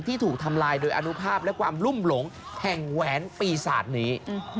ถูกทำลายโดยอนุภาพและความรุ่มหลงแห่งแหวนปีศาจนี้